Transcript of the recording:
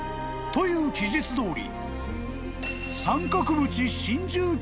［という記述どおり］